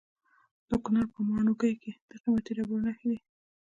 د کونړ په ماڼوګي کې د قیمتي ډبرو نښې دي.